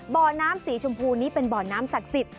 บ่อน้ำสีชมพูนี้เป็นบ่อน้ำศักดิ์สิทธิ